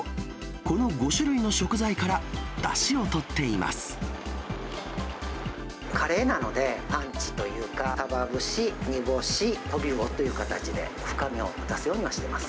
この５種類の食材から、だしをとカレーなので、パンチというか、さば節、煮干し、トビウオという形で、深みを出すようにはしてます。